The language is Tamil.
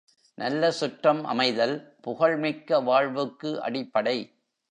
நல்ல சுற்றம் அமைதல், புகழ் மிக்க வாழ்வுக்கு அடிப்படை.